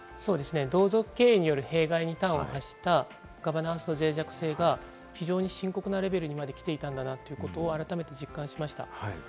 同族経営による弊害に端を発したガバナンスの脆弱性が非常に深刻なレベルに来ていたんだなと改めて実感しました。